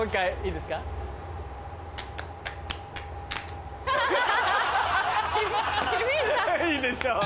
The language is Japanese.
いいでしょう。